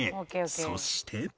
そして